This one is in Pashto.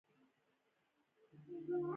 یو اوږد او ساده پل و، د سیند پر هغې برخې باندې.